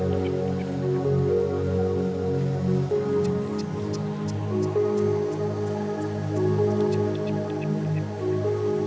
ketika di telepon bukaan